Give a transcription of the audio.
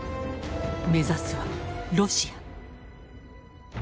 目指すはロシア。